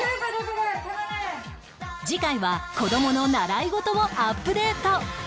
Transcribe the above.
次回は子どもの習い事をアップデート